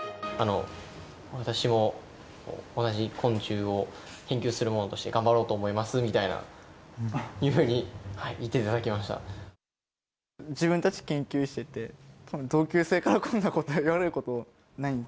私も同じ昆虫を研究するものとして頑張ろうと思いますみたい自分たち研究してて、同級生からこんなことを言われることない。